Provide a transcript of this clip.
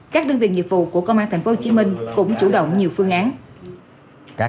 các đơn vị nghiệp vụ của công an tp hcm cũng chủ động nhiều phương án